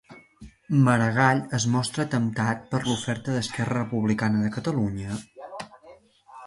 Maragall es mostra temptat per l'oferta d'Esquerra Republicana de Catalunya?